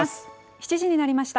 ７時になりました。